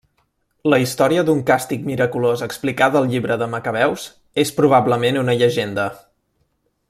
La història d'un càstig miraculós explicada al llibre dels macabeus és probablement una llegenda.